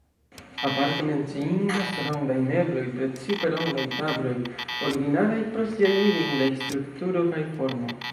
Aparte menciindas rondaj mebloj, precipe rondaj tabloj, originalaj pro siaj mirindaj strukturo kaj formo.